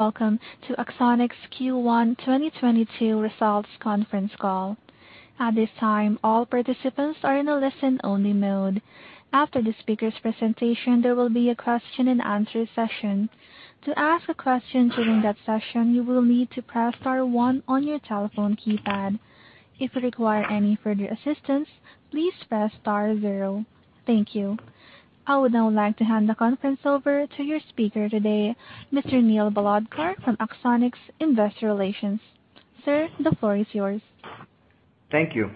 Welcome to Axonics' Q1 2022 results conference call. At this time, all participants are in a listen-only mode. After the speaker's presentation, there will be a question and answer session. To ask a question during that session, you will need to press star one on your telephone keypad. If you require any further assistance, please press star zero. Thank you. I would now like to hand the conference over to your speaker today, Mr. Neil Bhalodkar from Axonics Investor Relations. Sir, the floor is yours. Thank you.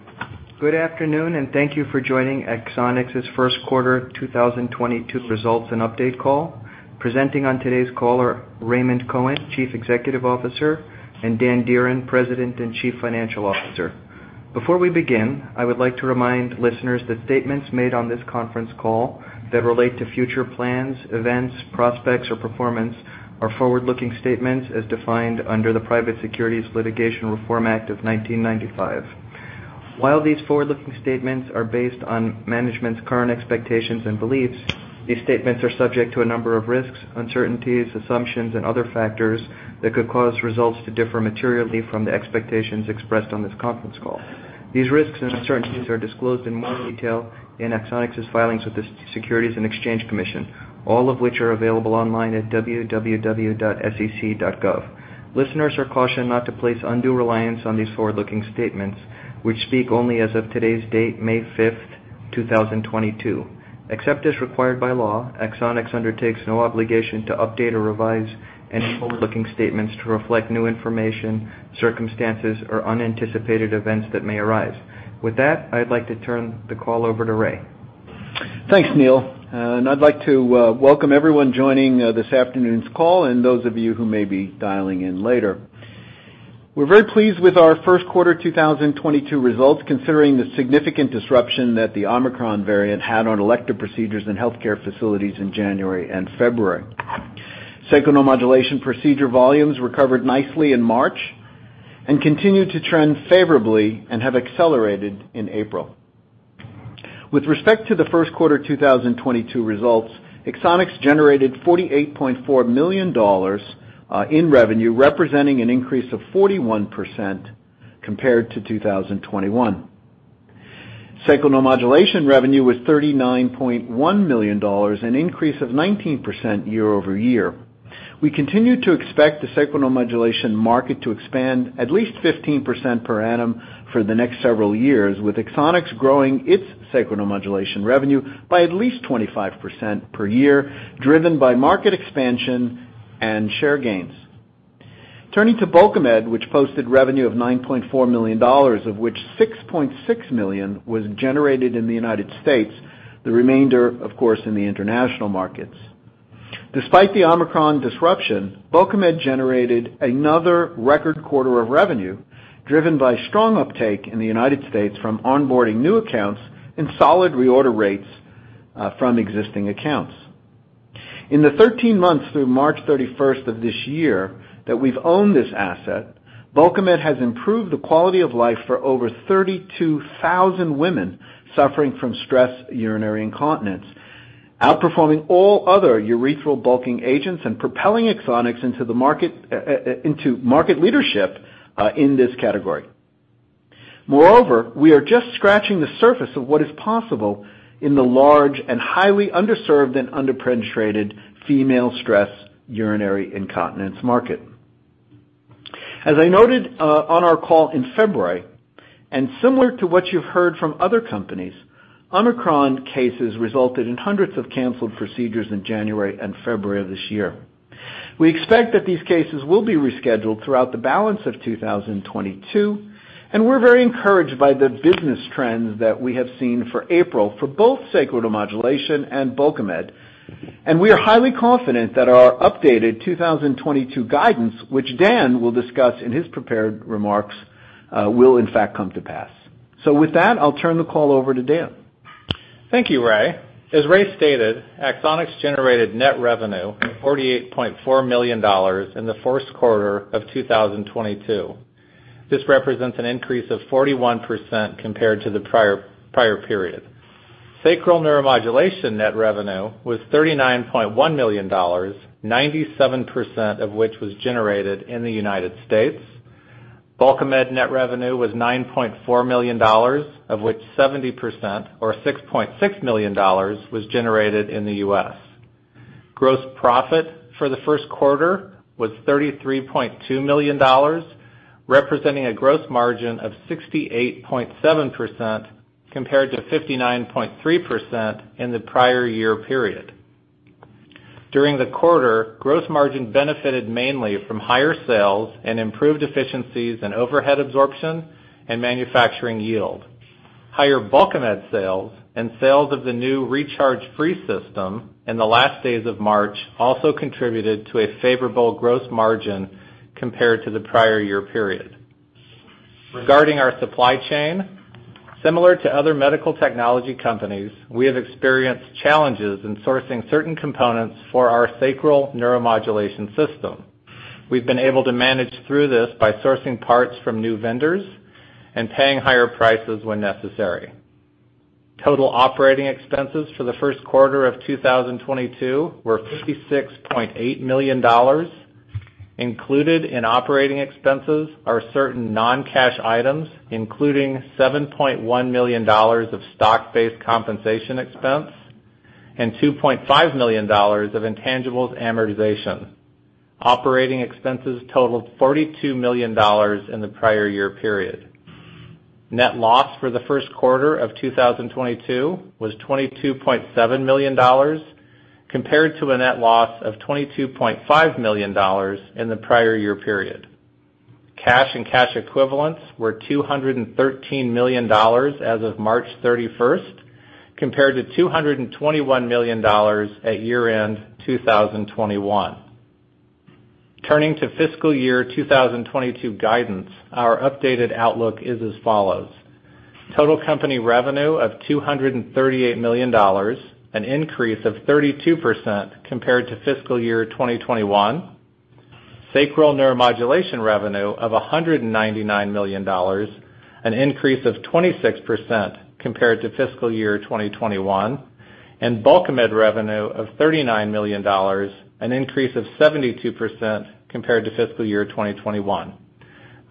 Good afternoon, and thank you for joining Axonics' first quarter 2022 results and update call. Presenting on today's call are Raymond Cohen, Chief Executive Officer, and Dan Dearen, President and Chief Financial Officer. Before we begin, I would like to remind listeners that statements made on this conference call that relate to future plans, events, prospects, or performance are forward-looking statements as defined under the Private Securities Litigation Reform Act of 1995. While these forward-looking statements are based on management's current expectations and beliefs, these statements are subject to a number of risks, uncertainties, assumptions, and other factors that could cause results to differ materially from the expectations expressed on this conference call. These risks and uncertainties are disclosed in more detail in Axonics' filings with the Securities and Exchange Commission, all of which are available online at www.sec.gov. Listeners are cautioned not to place undue reliance on these forward-looking statements, which speak only as of today's date, May 5th, 2022. Except as required by law, Axonics undertakes no obligation to update or revise any forward-looking statements to reflect new information, circumstances, or unanticipated events that may arise. With that, I'd like to turn the call over to Ray. Thanks, Neil. I'd like to welcome everyone joining this afternoon's call and those of you who may be dialing in later. We're very pleased with our first quarter 2022 results, considering the significant disruption that the Omicron variant had on elective procedures in healthcare facilities in January and February. Sacral neuromodulation procedure volumes recovered nicely in March and continued to trend favorably and have accelerated in April. With respect to the first quarter 2022 results, Axonics generated $48.4 million in revenue, representing an increase of 41% compared to 2021. Sacral neuromodulation revenue was $39.1 million, an increase of 19% year-over-year. We continue to expect the Sacral Neuromodulation market to expand at least 15% per annum for the next several years, with Axonics growing its Sacral Neuromodulation revenue by at least 25% per year, driven by market expansion and share gains. Turning to Bulkamid, which posted revenue of $9.4 million, of which $6.6 million was generated in the United States, the remainder, of course, in the international markets. Despite the Omicron disruption, Bulkamid generated another record quarter of revenue driven by strong uptake in the United States from onboarding new accounts and solid reorder rates, from existing accounts. In the 13 months through March 31st of this year that we've owned this asset, Bulkamid has improved the quality of life for over 32,000 women suffering from stress urinary incontinence, outperforming all other urethral bulking agents and propelling Axonics into market leadership in this category. Moreover, we are just scratching the surface of what is possible in the large and highly underserved and under-penetrated female stress urinary incontinence market. As I noted on our call in February, and similar to what you've heard from other companies, Omicron cases resulted in hundreds of canceled procedures in January and February of this year. We expect that these cases will be rescheduled throughout the balance of 2022, and we're very encouraged by the business trends that we have seen for April for both Sacral Neuromodulation and Bulkamid, and we are highly confident that our updated 2022 guidance, which Dan will discuss in his prepared remarks, will in fact come to pass. With that, I'll turn the call over to Dan. Thank you, Ray. As Ray stated, Axonics generated net revenue of $48.4 million in the first quarter of 2022. This represents an increase of 41% compared to the prior prior period. Sacral Neuromodulation net revenue was $39.1 million, 97% of which was generated in the United States. Bulkamid net revenue was $9.4 million, of which 70% or $6.6 million was generated in the U.S. Gross profit for the first quarter was $33.2 million, representing a gross margin of 68.7% compared to 59.3% in the prior year period. During the quarter, gross margin benefited mainly from higher sales and improved efficiencies in overhead absorption and manufacturing yield. Higher Bulkamid sales and sales of the new recharge-free system in the last days of March also contributed to a favorable gross margin compared to the prior year period. Regarding our supply chain, similar to other medical technology companies, we have experienced challenges in sourcing certain components for our Sacral Neuromodulation system. We've been able to manage through this by sourcing parts from new vendors and paying higher prices when necessary. Total operating expenses for the first quarter of 2022 were $56.8 million. Included in operating expenses are certain non-cash items, including $7.1 million of stock-based compensation expense and $2.5 million of intangibles amortization. Operating expenses totaled $42 million in the prior year period. Net loss for the first quarter of 2022 was $22.7 million compared to a net loss of $22.5 million in the prior year period. Cash and cash equivalents were $213 million as of March 31st, compared to $221 million at year-end 2021. Turning to fiscal year 2022 guidance, our updated outlook is as follows. Total company revenue of $238 million, an increase of 32% compared to fiscal year 2021. Sacral Neuromodulation revenue of $199 million, an increase of 26% compared to fiscal year 2021. Bulkamid revenue of $39 million, an increase of 72% compared to fiscal year 2021.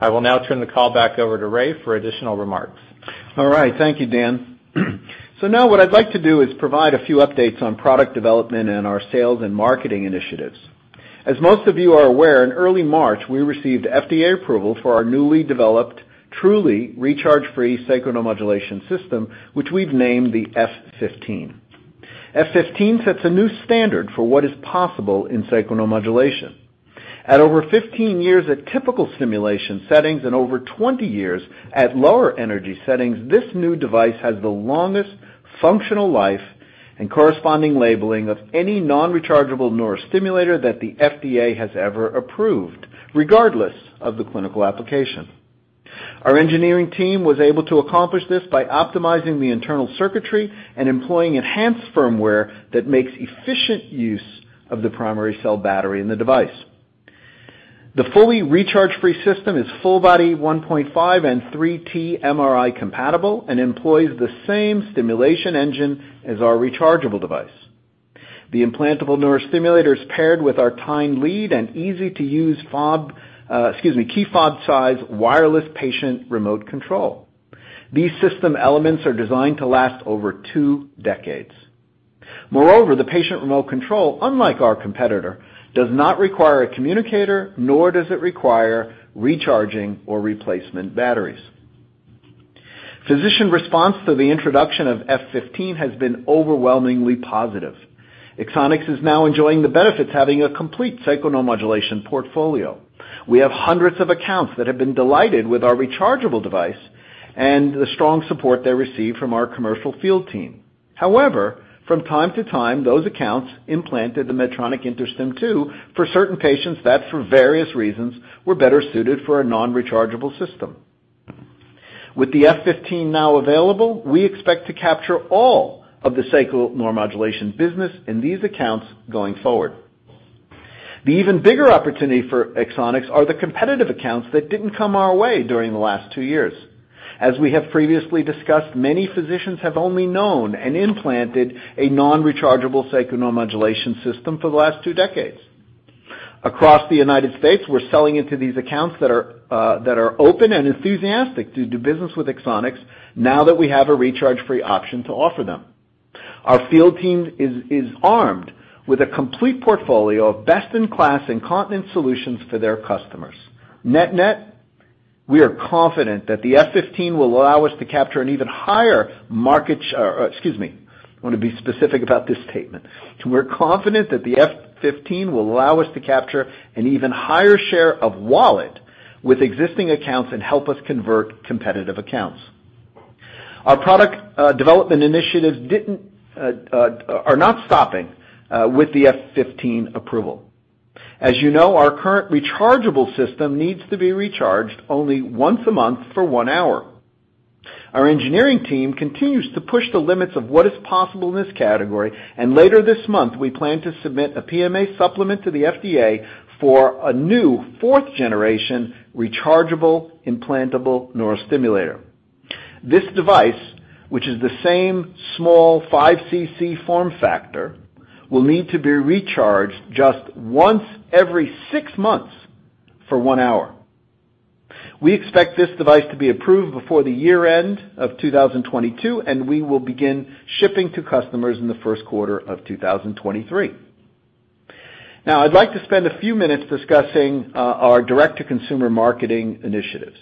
I will now turn the call back over to Ray for additional remarks. All right. Thank you, Dan. Now what I'd like to do is provide a few updates on product development and our sales and marketing initiatives. As most of you are aware, in early March, we received FDA approval for our newly developed, truly recharge-free Sacral Neuromodulation system, which we've named the F15. F15 sets a new standard for what is possible in Sacral Neuromodulation. At over 15 years at typical stimulation settings and over 20 years at lower energy settings, this new device has the longest functional life and corresponding labeling of any non-rechargeable neurostimulator that the FDA has ever approved, regardless of the clinical application. Our engineering team was able to accomplish this by optimizing the internal circuitry and employing enhanced firmware that makes efficient use of the primary cell battery in the device. The fully recharge-free system is full body 1.5 and 3 T MRI compatible and employs the same stimulation engine as our rechargeable device. The implantable neurostimulator is paired with our tined lead and easy-to-use key fob size wireless patient remote control. These system elements are designed to last over two decades. Moreover, the patient remote control, unlike our competitor, does not require a communicator, nor does it require recharging or replacement batteries. Physician response to the introduction of F15 has been overwhelmingly positive. Axonics is now enjoying the benefits of having a complete Sacral Neuromodulation portfolio. We have hundreds of accounts that have been delighted with our rechargeable device and the strong support they receive from our commercial field team. However, from time to time, those accounts implanted the Medtronic InterStim II for certain patients that, for various reasons, were better suited for a non-rechargeable system. With the F15 now available, we expect to capture all of the Sacral Neuromodulation business in these accounts going forward. The even bigger opportunity for Axonics are the competitive accounts that didn't come our way during the last two years. As we have previously discussed, many physicians have only known and implanted a non-rechargeable Sacral Neuromodulation system for the last two decades. Across the United States, we're selling into these accounts that are that are open and enthusiastic to do business with Axonics now that we have a recharge-free option to offer them. Our field team is armed with a complete portfolio of best-in-class incontinence solutions for their customers. Net, net, we are confident that the F15 will allow us to capture an even higher share of wallet with existing accounts and help us convert competitive accounts. I want to be specific about this statement. We're confident that the F15 will allow us to capture an even higher share of wallet with existing accounts and help us convert competitive accounts. Our product development initiatives are not stopping with the F15 approval. As you know, our current rechargeable system needs to be recharged only once a month for one hour. Our engineering team continues to push the limits of what is possible in this category, and later this month, we plan to submit a PMA supplement to the FDA for a new fourth generation rechargeable implantable neurostimulator. This device, which is the same small 5 cc form factor, will need to be recharged just once every 6 months for 1 hour. We expect this device to be approved before the year end of 2022, and we will begin shipping to customers in the first quarter of 2023. Now, I'd like to spend a few minutes discussing our direct-to-consumer marketing initiatives.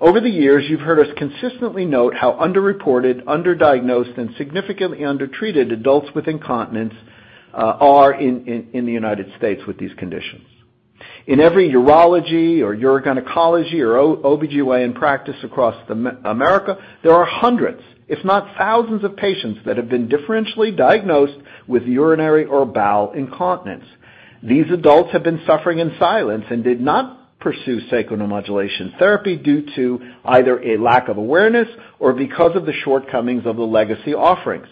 Over the years, you've heard us consistently note how under-reported, under-diagnosed, and significantly under-treated adults with incontinence are in the United States with these conditions. In every urology or urogynecology or OBGYN practice across America, there are hundreds, if not thousands of patients that have been differentially diagnosed with urinary or bowel incontinence. These adults have been suffering in silence and did not pursue Sacral Neuromodulation therapy due to either a lack of awareness or because of the shortcomings of the legacy offerings.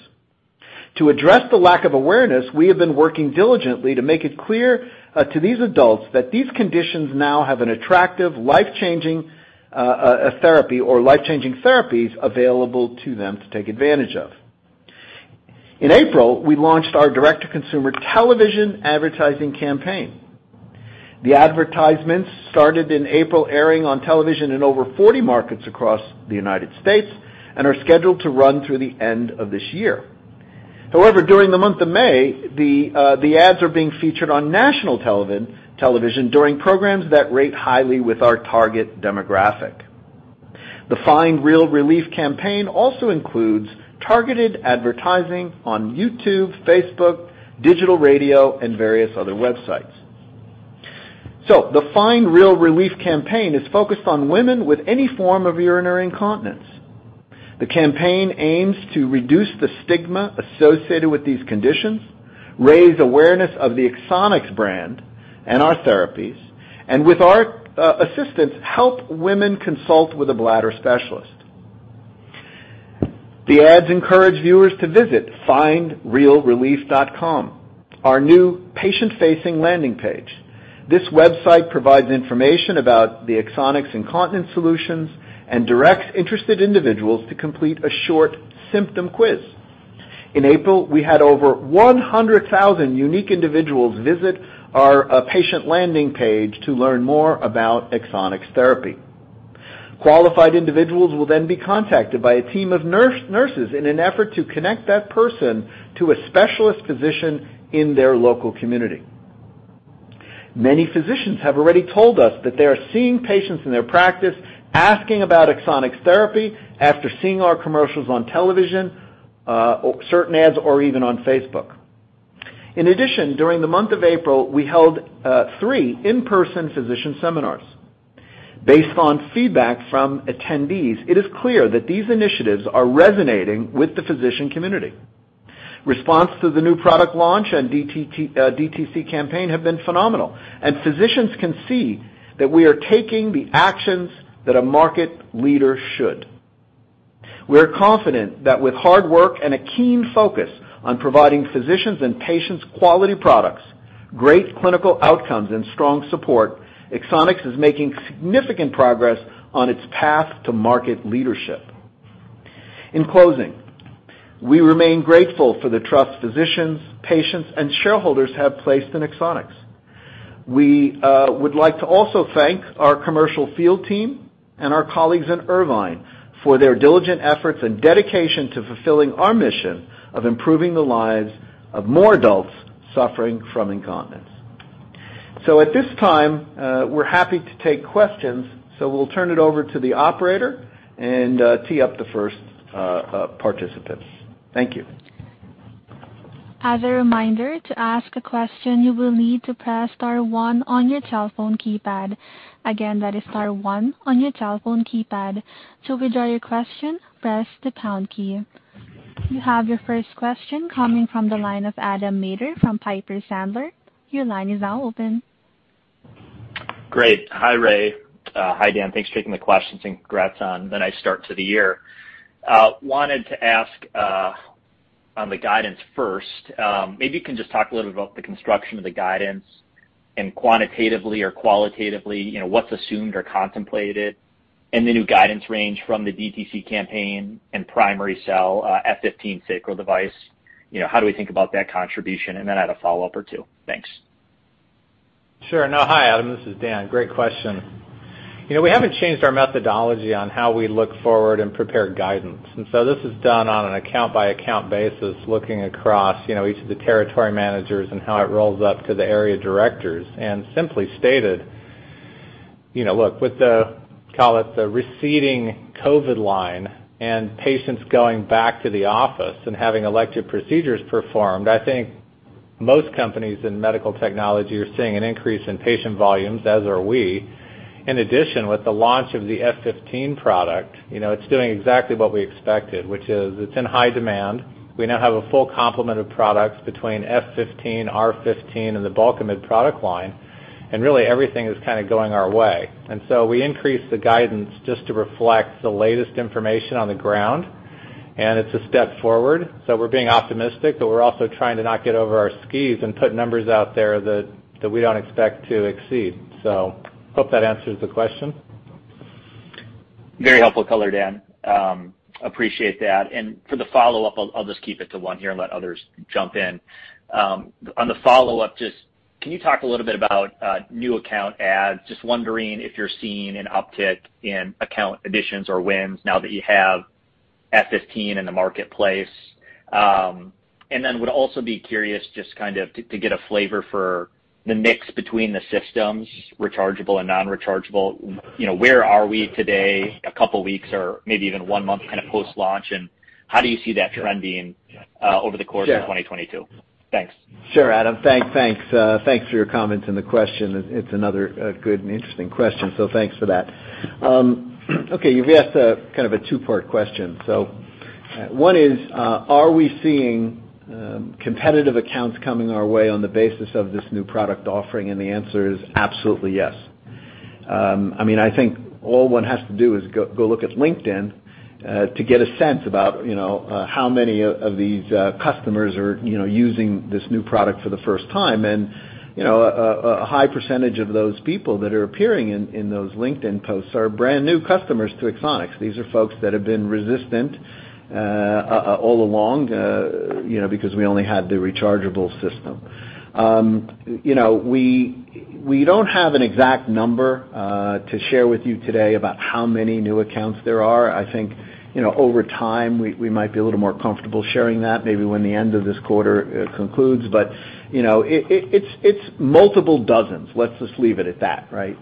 To address the lack of awareness, we have been working diligently to make it clear to these adults that these conditions now have an attractive life-changing therapy or life-changing therapies available to them to take advantage of. In April, we launched our direct-to-consumer television advertising campaign. The advertisements started in April, airing on television in over 40 markets across the United States and are scheduled to run through the end of this year. However, during the month of May, the ads are being featured on national television during programs that rate highly with our target demographic. The Find Real Relief campaign also includes targeted advertising on YouTube, Facebook, digital radio, and various other websites. The Find Real Relief campaign is focused on women with any form of urinary incontinence. The campaign aims to reduce the stigma associated with these conditions, raise awareness of the Axonics brand and our therapies, and with our assistance, help women consult with a bladder specialist. The ads encourage viewers to visit FindRealRelief.com, our new patient-facing landing page. This website provides information about the Axonics incontinence solutions and directs interested individuals to complete a short symptom quiz. In April, we had over 100,000 unique individuals visit our patient landing page to learn more about Axonics therapy. Qualified individuals will then be contacted by a team of nurses in an effort to connect that person to a specialist physician in their local community. Many physicians have already told us that they are seeing patients in their practice asking about Axonics therapy after seeing our commercials on television, or certain ads, or even on Facebook. In addition, during the month of April, we held three in-person physician seminars. Based on feedback from attendees, it is clear that these initiatives are resonating with the physician community. Response to the new product launch and DTC campaign have been phenomenal, and physicians can see that we are taking the actions that a market leader should. We're confident that with hard work and a keen focus on providing physicians and patients quality products, great clinical outcomes, and strong support, Axonics is making significant progress on its path to market leadership. In closing, we remain grateful for the trust physicians, patients, and shareholders have placed in Axonics. We would like to also thank our commercial field team and our colleagues in Irvine for their diligent efforts and dedication to fulfilling our mission of improving the lives of more adults suffering from incontinence. At this time, we're happy to take questions, so we'll turn it over to the operator and tee up the first participants. Thank you. As a reminder, to ask a question, you will need to press star one on your telephone keypad. Again, that is star one on your telephone keypad. To withdraw your question, press the pound key. You have your first question coming from the line of Adam Maeder from Piper Sandler. Your line is now open. Great. Hi, Ray. Hi, Dan. Thanks for taking the questions and congrats on the nice start to the year. Wanted to ask on the guidance first. Maybe you can just talk a little bit about the construction of the guidance and quantitatively or qualitatively, you know, what's assumed or contemplated in the new guidance range from the DTC campaign and primary cell F15 sacral device. You know, how do we think about that contribution? Then I had a follow-up or two. Thanks. Sure. No. Hi, Adam. This is Dan. Great question. You know, we haven't changed our methodology on how we look forward and prepare guidance. This is done on an account-by-account basis, looking across, you know, each of the territory managers and how it rolls up to the area directors. Simply stated, you know, look, with the, call it, the receding COVID line and patients going back to the office and having elective procedures performed, I think most companies in medical technology are seeing an increase in patient volumes, as are we. In addition, with the launch of the F15 product, you know, it's doing exactly what we expected, which is it's in high demand. We now have a full complement of products between F15, R15, and the Bulkamid product line. Really, everything is kind of going our way. We increased the guidance just to reflect the latest information on the ground, and it's a step forward. We're being optimistic, but we're also trying to not get over our skis and put numbers out there that we don't expect to exceed. Hope that answers the question. Very helpful color, Dan. Appreciate that. For the follow-up, I'll just keep it to one here and let others jump in. On the follow-up, just can you talk a little bit about new account adds? Just wondering if you're seeing an uptick in account additions or wins now that you have F15 in the marketplace. And then would also be curious just kind of to get a flavor for the mix between the systems, rechargeable and non-rechargeable. You know, where are we today, a couple weeks or maybe even one month kind of post-launch, and how do you see that trend being over the course of 2022? Thanks. Sure, Adam. Thanks. Thanks for your comments and the question. It's another good and interesting question, so thanks for that. Okay, you've asked kind of a two-part question. One is, are we seeing competitive accounts coming our way on the basis of this new product offering? The answer is absolutely yes. I mean, I think all one has to do is go look at LinkedIn to get a sense about, you know, how many of these customers are, you know, using this new product for the first time. You know, a high percentage of those people that are appearing in those LinkedIn posts are brand-new customers to Axonics. These are folks that have been resistant all along, you know, because we only had the rechargeable system. You know, we don't have an exact number to share with you today about how many new accounts there are. I think, you know, over time, we might be a little more comfortable sharing that maybe when the end of this quarter concludes. You know, it's multiple dozens. Let's just leave it at that, right?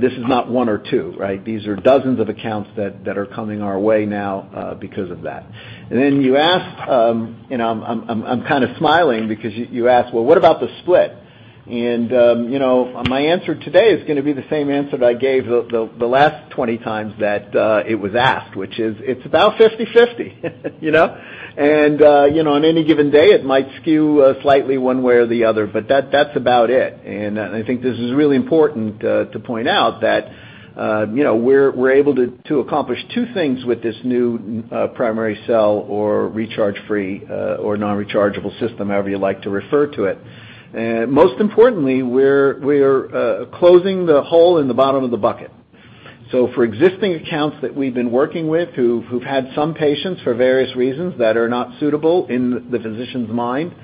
This is not one or two, right? These are dozens of accounts that are coming our way now because of that. Then you asked, and I'm kind of smiling because you asked, "Well, what about the split?" You know, my answer today is gonna be the same answer that I gave the last 20 times that it was asked, which is it's about 50-50. You know? You know, on any given day, it might skew slightly one way or the other, but that's about it. I think this is really important to point out that you know, we're able to accomplish two things with this new primary cell or recharge free or non-rechargeable system, however you like to refer to it. Most importantly, we're closing the hole in the bottom of the bucket. So for existing accounts that we've been working with who've had some patients for various reasons that are not suitable in the physician's mind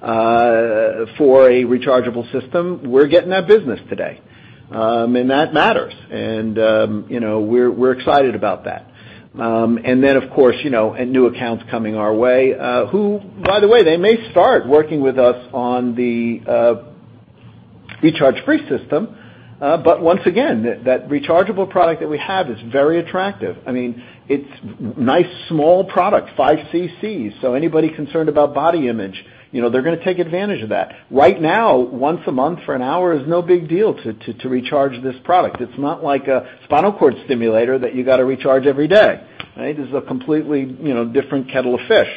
for a rechargeable system, we're getting their business today. That matters. You know, we're excited about that. Of course, you know, and new accounts coming our way, who, by the way, they may start working with us on the recharge-free system. Once again, that rechargeable product that we have is very attractive. I mean, it's nice small product, 5 CC. So anybody concerned about body image, you know, they're gonna take advantage of that. Right now, once a month for an hour is no big deal to recharge this product. It's not like a spinal cord stimulator that you gotta recharge every day, right? This is a completely, you know, different kettle of fish.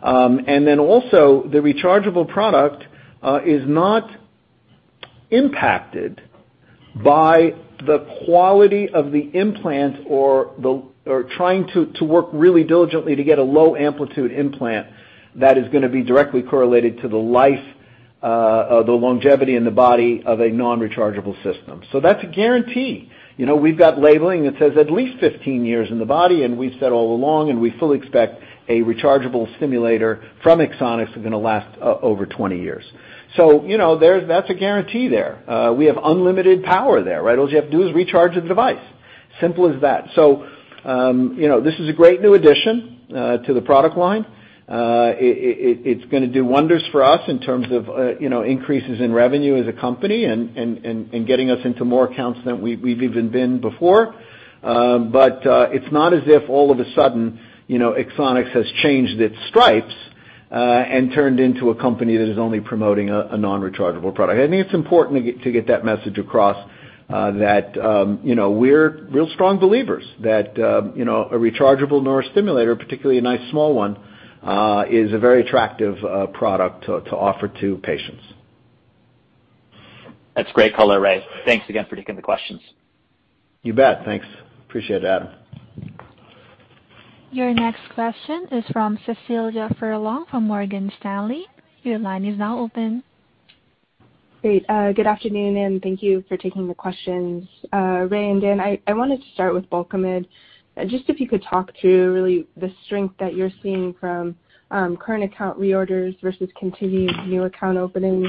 The rechargeable product is not impacted by the quality of the implant or trying to work really diligently to get a low amplitude implant that is gonna be directly correlated to the life, the longevity in the body of a non-rechargeable system. That's a guarantee. You know, we've got labeling that says at least 15 years in the body, and we've said all along, and we fully expect a rechargeable stimulator from Axonics is gonna last over 20 years. You know, that's a guarantee there. We have unlimited power there, right? All you have to do is recharge the device. Simple as that. You know, this is a great new addition to the product line. It's gonna do wonders for us in terms of, you know, increases in revenue as a company and getting us into more accounts than we've even been before. It's not as if all of a sudden, you know, Axonics has changed its stripes and turned into a company that is only promoting a non-rechargeable product. I think it's important to get that message across that, you know, we're real strong believers that, you know, a rechargeable neurostimulator, particularly a nice small one, is a very attractive product to offer to patients. That's great color, Ray. Thanks again for taking the questions. You bet. Thanks. Appreciate it, Adam Maeder. Your next question is from Cecilia Furlong from Morgan Stanley. Your line is now open. Great. Good afternoon, and thank you for taking the questions. Ray and Dan, I wanted to start with Bulkamid. Just if you could talk to really the strength that you're seeing from current account reorders versus continued new account openings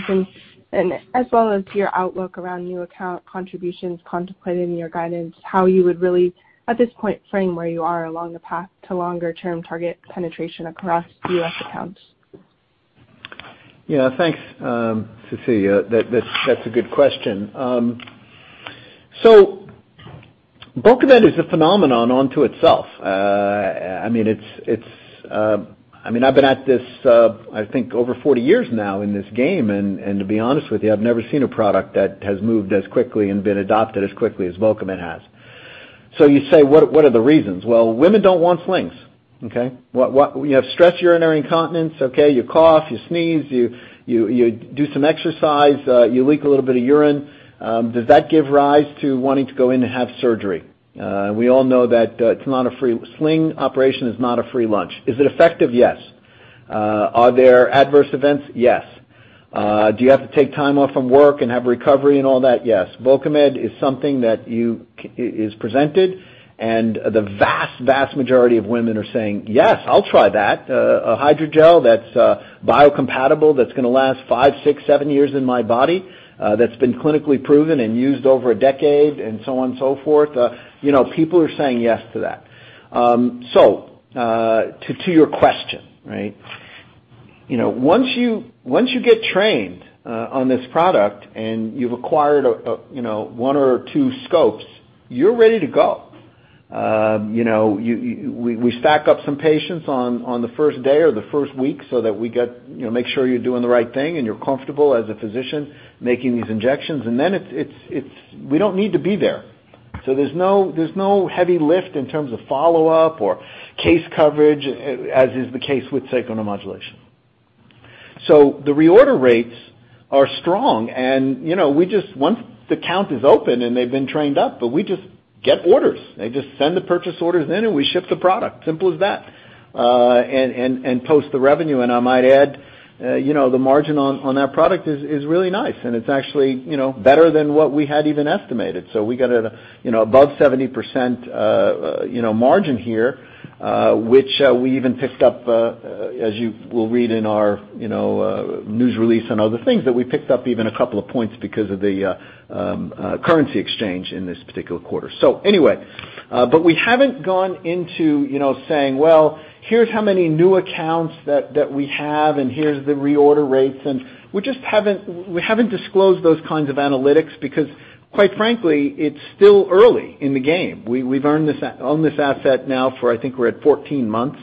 and as well as your outlook around new account contributions contemplating your guidance, how you would really, at this point, frame where you are along the path to longer-term target penetration across U.S. accounts. Yeah. Thanks, Cecilia. That's a good question. So Bulkamid is a phenomenon unto itself. I mean, I've been at this. I think over 40 years now in this game, to be honest with you, I've never seen a product that has moved as quickly and been adopted as quickly as Bulkamid has. So you say, what are the reasons? Well, women don't want slings, okay? You have stress urinary incontinence, okay? You cough, you sneeze, you do some exercise, you leak a little bit of urine. Does that give rise to wanting to go in and have surgery? We all know that sling operation is not a free lunch. Is it effective? Yes. Are there adverse events? Yes. Do you have to take time off from work and have recovery and all that? Yes. Bulkamid is something that is presented, and the vast majority of women are saying, "Yes, I'll try that. A hydrogel that's biocompatible, that's gonna last five, six, seven years in my body, that's been clinically proven and used over a decade," and so on and so forth. You know, people are saying yes to that. So, to your question, right? You know, once you get trained on this product and you've acquired a you know, one or two scopes, you're ready to go. You know, we stack up some patients on the first day or the first week so that we get, you know, make sure you're doing the right thing and you're comfortable as a physician making these injections. Then it's we don't need to be there. There's no heavy lift in terms of follow-up or case coverage as is the case with Sacral Neuromodulation. The reorder rates are strong and, you know, once the count is open and they've been trained up, but we just get orders. They just send the purchase orders in, and we ship the product, simple as that, and post the revenue. I might add, you know, the margin on that product is really nice, and it's actually, you know, better than what we had even estimated. We got an, you know, above 70% margin here, which we even picked up as you will read in our news release and other things that we picked up even a couple of points because of the currency exchange in this particular quarter. We haven't gone into, you know, saying, "Well, here's how many new accounts that we have, and here's the reorder rates." We just haven't disclosed those kinds of analytics because, quite frankly, it's still early in the game. We've owned this asset now for, I think, 14 months.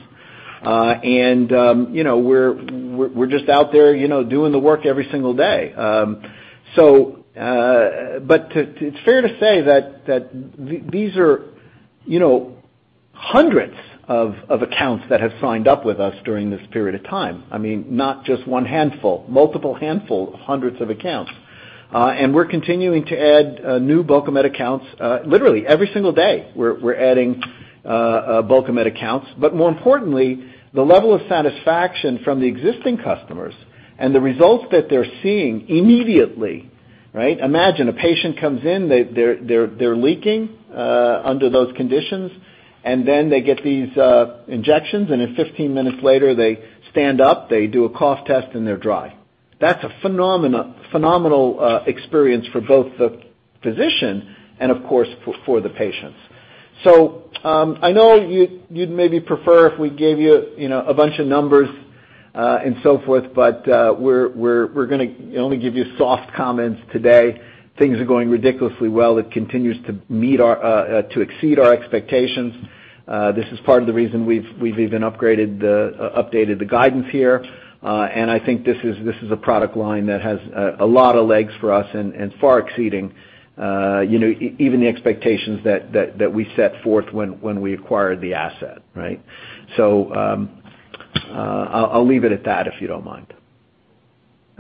You know, we're just out there, you know, doing the work every single day. It's fair to say that these are, you know, hundreds of accounts that have signed up with us during this period of time. I mean, not just one handful, multiple handful, hundreds of accounts. We're continuing to add new Bulkamid accounts literally every single day. We're adding Bulkamid accounts. More importantly, the level of satisfaction from the existing customers and the results that they're seeing immediately, right? Imagine a patient comes in, they're leaking under those conditions, and then they get these injections, and then 15 minutes later, they stand up, they do a cough test, and they're dry. That's a phenomenal experience for both the physician and of course, for the patients. I know you'd maybe prefer if we gave you know, a bunch of numbers, and so forth, but we're gonna only give you soft comments today. Things are going ridiculously well. It continues to exceed our expectations. This is part of the reason we've even updated the guidance here. I think this is a product line that has a lot of legs for us and far exceeding, you know, even the expectations that we set forth when we acquired the asset, right? I'll leave it at that, if you don't mind.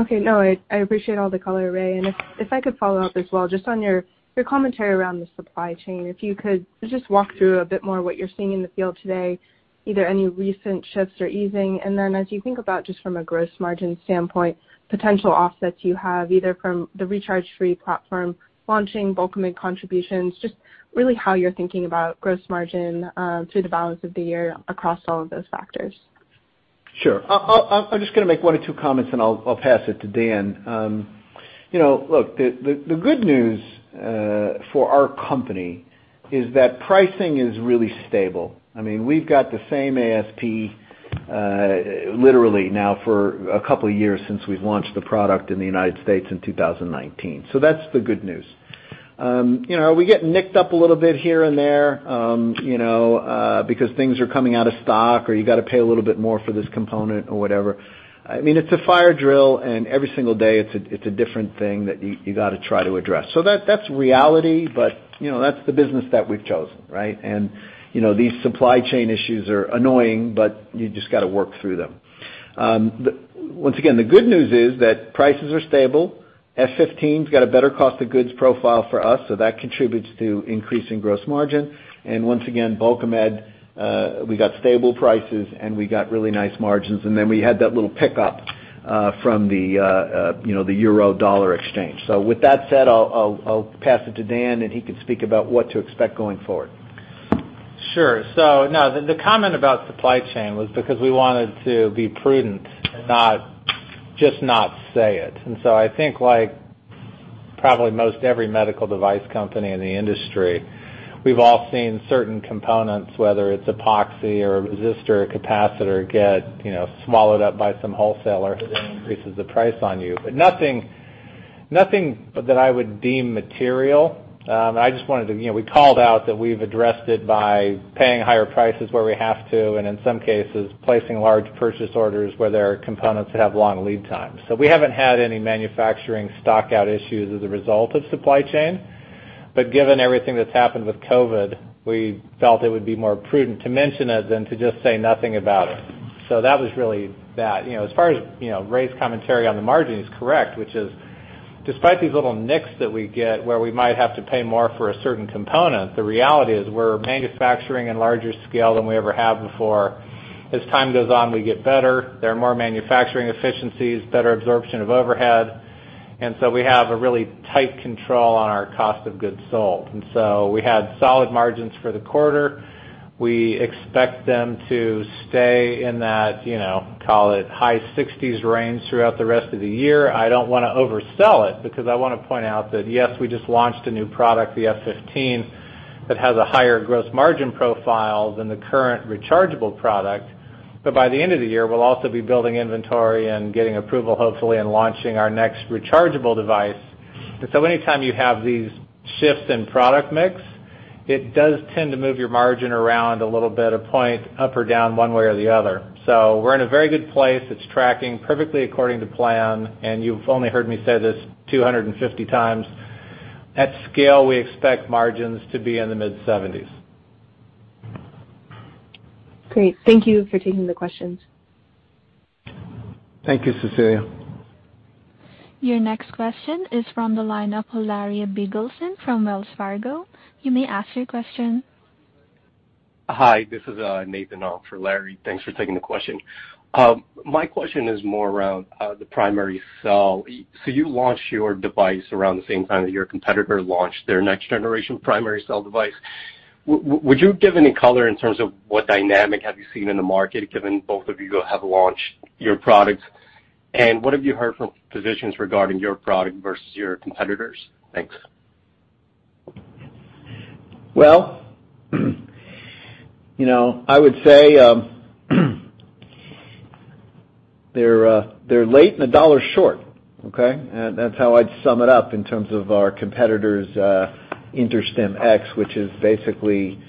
Okay. No, I appreciate all the color, Ray. If I could follow up as well, just on your commentary around the supply chain, if you could just walk through a bit more what you're seeing in the field today, either any recent shifts or easing. As you think about just from a gross margin standpoint, potential offsets you have either from the recharge free platform, launching Bulkamid contributions, just really how you're thinking about gross margin through the balance of the year across all of those factors. Sure. I'm just gonna make one or two comments and I'll pass it to Dan. You know, look, the good news for our company is that pricing is really stable. I mean, we've got the same ASP, literally now for a couple of years since we've launched the product in the United States in 2019. That's the good news. You know, we get nicked up a little bit here and there, you know, because things are coming out of stock or you gotta pay a little bit more for this component or whatever. I mean, it's a fire drill, and every single day it's a different thing that you gotta try to address. That's reality, but, you know, that's the business that we've chosen, right? You know, these supply chain issues are annoying, but you just gotta work through them. Once again, the good news is that prices are stable. F15's got a better cost of goods profile for us, so that contributes to increasing gross margin. Once again, Bulkamid, we got stable prices, and we got really nice margins. Then we had that little pickup from the, you know, the euro-dollar exchange. With that said, I'll pass it to Dan, and he can speak about what to expect going forward. Sure. No, the comment about supply chain was because we wanted to be prudent and just not say it. I think like probably most every medical device company in the industry, we've all seen certain components, whether it's epoxy or resistor or capacitor, get you know swallowed up by some wholesaler that increases the price on you. Nothing that I would deem material. I just wanted to you know we called out that we've addressed it by paying higher prices where we have to, and in some cases, placing large purchase orders where there are components that have long lead times. We haven't had any manufacturing stock out issues as a result of supply chain. Given everything that's happened with COVID, we felt it would be more prudent to mention it than to just say nothing about it. That was really that. You know, as far as, you know, Ray's commentary on the margin is correct, which is despite these little nicks that we get where we might have to pay more for a certain component, the reality is we're manufacturing in larger scale than we ever have before. As time goes on, we get better. There are more manufacturing efficiencies, better absorption of overhead, and so we have a really tight control on our cost of goods sold. We had solid margins for the quarter. We expect them to stay in that, you know, call it high 60s% range throughout the rest of the year. I don't wanna oversell it because I wanna point out that, yes, we just launched a new product, the F15, that has a higher gross margin profile than the current rechargeable product. By the end of the year, we'll also be building inventory and getting approval, hopefully, and launching our next rechargeable device. Anytime you have these shifts in product mix, it does tend to move your margin around a little bit, a point up or down one way or the other. We're in a very good place. It's tracking perfectly according to plan, and you've only heard me say this 250 times. At scale, we expect margins to be in the mid-70s%. Great. Thank you for taking the questions. Thank you, Cecilia. Your next question is from the line of Larry Biegelsen from Wells Fargo. You may ask your question. Hi, this is Nathan on for Larry. Thanks for taking the question. My question is more around the primary cell. You launched your device around the same time that your competitor launched their next generation primary cell device. Would you give any color in terms of what dynamic have you seen in the market, given both of you have launched your products? What have you heard from physicians regarding your product versus your competitors? Thanks. Well, you know, I would say, they're late and a dollar short, okay? That's how I'd sum it up in terms of our competitor's InterStim X, which is basically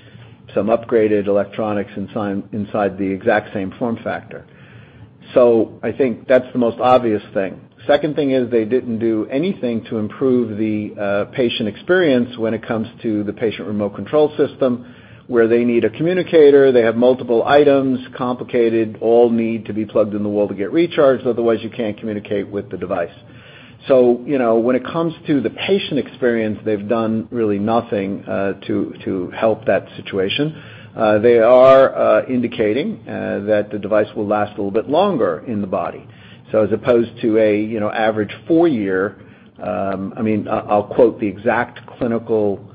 some upgraded electronics inside the exact same form factor. I think that's the most obvious thing. Second thing is they didn't do anything to improve the patient experience when it comes to the patient remote control system, where they need a communicator, they have multiple items, complicated, all need to be plugged in the wall to get recharged, otherwise you can't communicate with the device. You know, when it comes to the patient experience, they've done really nothing to help that situation. They are indicating that the device will last a little bit longer in the body. As opposed to a, you know, average four year, I mean, I'll quote the exact clinical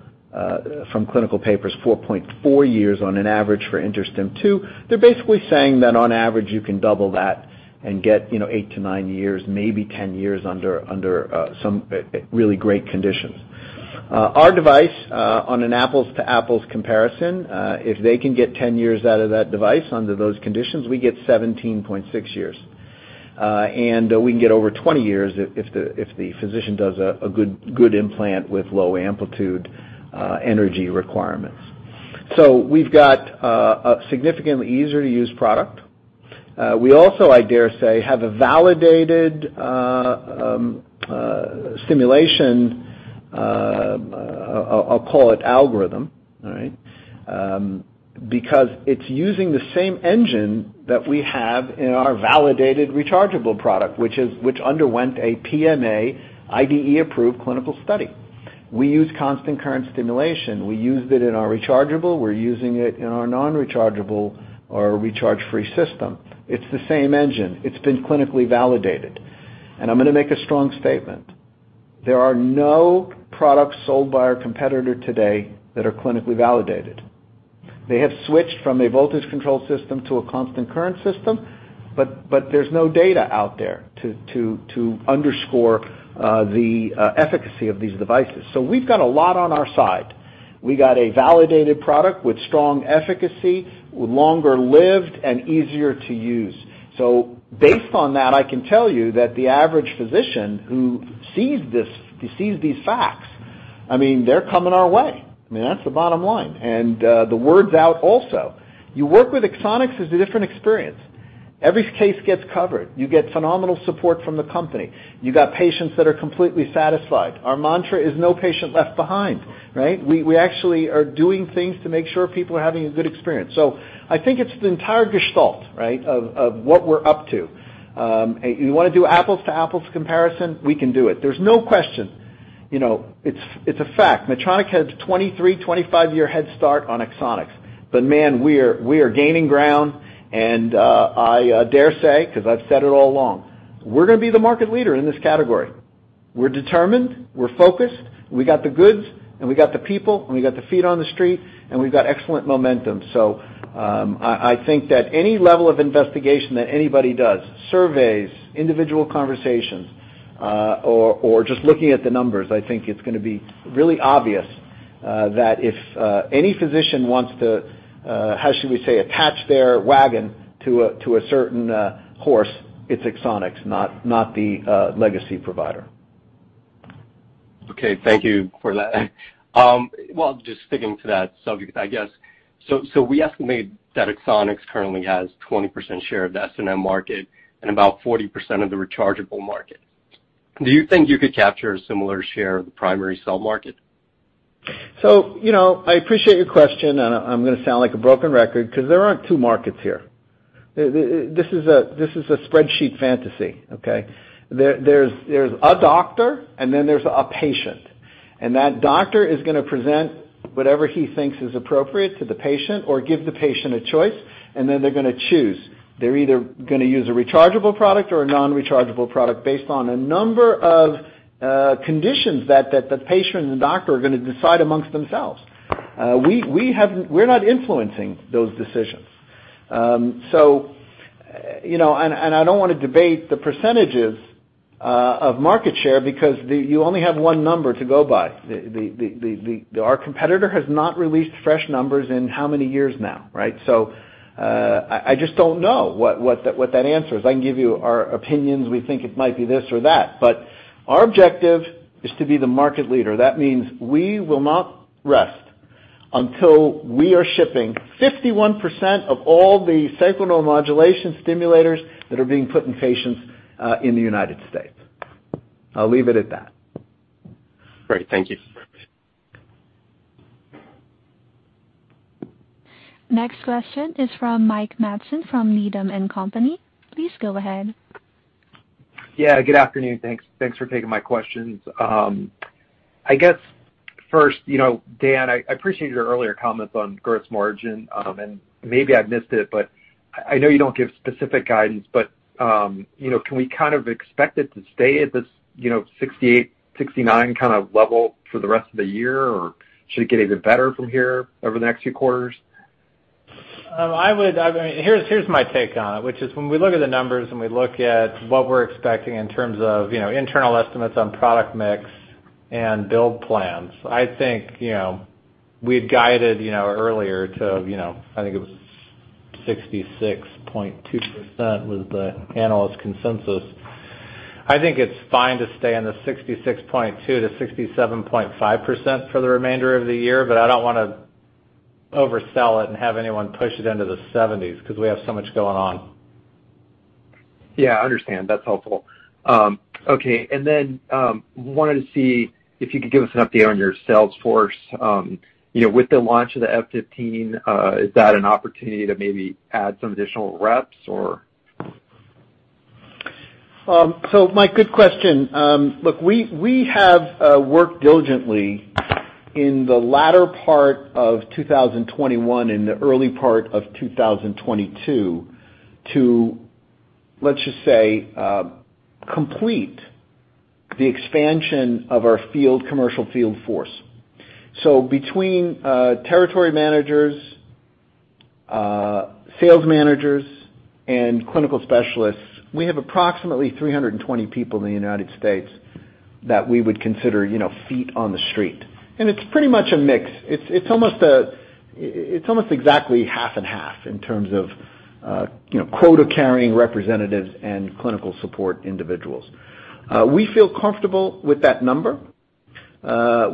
from clinical papers, 4.4 years on average for InterStim II, they're basically saying that on average, you can double that and get, you know, 8-9 years, maybe 10 years under some really great conditions. Our device, on an apples to apples comparison, if they can get 10 years out of that device under those conditions, we get 17.6 years. And we can get over 20 years if the physician does a good implant with low amplitude energy requirements. We've got a significantly easier to use product. We also, I dare say, have a validated simulation I'll call it algorithm, all right? Because it's using the same engine that we have in our validated rechargeable product, which underwent a PMA IDE-approved clinical study. We use constant current stimulation. We used it in our rechargeable, we're using it in our non-rechargeable or recharge-free system. It's the same engine. It's been clinically validated. I'm gonna make a strong statement. There are no products sold by our competitor today that are clinically validated. They have switched from a voltage-controlled system to a constant current system, but there's no data out there to underscore the efficacy of these devices. We've got a lot on our side. We got a validated product with strong efficacy, longer lived and easier to use. Based on that, I can tell you that the average physician who sees this, sees these facts, I mean, they're coming our way. I mean, that's the bottom line. The word's out also, you work with Axonics is a different experience. Every case gets covered. You get phenomenal support from the company. You got patients that are completely satisfied. Our mantra is no patient left behind, right? We actually are doing things to make sure people are having a good experience. I think it's the entire gestalt, right, of what we're up to. You wanna do apples to apples comparison, we can do it. There's no question, you know, it's a fact. Medtronic has 23-25 year head start on Axonics. Man, we are gaining ground, and I dare say, 'cause I've said it all along, we're gonna be the market leader in this category. We're determined, we're focused, we got the goods, and we got the people, and we got the feet on the street, and we've got excellent momentum. I think that any level of investigation that anybody does, surveys, individual conversations, or just looking at the numbers, I think it's gonna be really obvious, that if any physician wants to, how should we say, attach their wagon to a certain horse, it's Axonics, not the legacy provider. Okay, thank you for that. Well, just sticking to that subject, I guess. We estimate that Axonics currently has 20% share of the SNM market and about 40% of the rechargeable market. Do you think you could capture a similar share of the primary cell market? You know, I appreciate your question, and I'm gonna sound like a broken record 'cause there aren't two markets here. This is a spreadsheet fantasy, okay? There's a doctor and then there's a patient, and that doctor is gonna present whatever he thinks is appropriate to the patient or give the patient a choice, and then they're gonna choose. They're either gonna use a rechargeable product or a non-rechargeable product based on a number of conditions that the patient and the doctor are gonna decide amongst themselves. We're not influencing those decisions. You know, I don't wanna debate the percentages of market share because you only have one number to go by. Our competitor has not released fresh numbers in how many years now, right? I just don't know what that answer is. I can give you our opinions. We think it might be this or that, but our objective is to be the market leader. That means we will not rest until we are shipping 51% of all the Sacral Neuromodulation stimulators that are being put in patients in the United States. I'll leave it at that. Great. Thank you. Next question is from Mike Matson from Needham & Company. Please go ahead. Yeah, good afternoon. Thanks for taking my questions. I guess first, you know, Dan, I appreciate your earlier comments on gross margin, and maybe I missed it, but I know you don't give specific guidance, but you know, can we kind of expect it to stay at this, you know, 68%-69% kind of level for the rest of the year, or should it get even better from here over the next few quarters? I mean, here's my take on it, which is when we look at the numbers and we look at what we're expecting in terms of, you know, internal estimates on product mix and build plans, I think, you know, we had guided, you know, earlier to, you know, I think it was 66.2% was the analyst consensus. I think it's fine to stay in the 66.2%-67.5% for the remainder of the year, but I don't wanna oversell it and have anyone push it into the 70s 'cause we have so much going on. Yeah, I understand. That's helpful. Okay. Wanted to see if you could give us an update on your sales force. You know, with the launch of the F15, is that an opportunity to maybe add some additional reps or? Mike, good question. Look, we have worked diligently in the latter part of 2021 and the early part of 2022 to, let's just say, complete the expansion of our field commercial field force. Between territory managers, sales managers, and clinical specialists, we have approximately 320 people in the United States that we would consider, you know, feet on the street. It's pretty much a mix. It's almost exactly half and half in terms of, you know, quota-carrying representatives and clinical support individuals. We feel comfortable with that number.